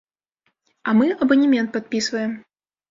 А мы абанемент падпісваем.